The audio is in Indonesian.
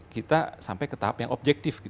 kita sampai ke tahap yang objektif